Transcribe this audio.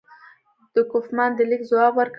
د کوفمان د لیک ځواب ورکړي.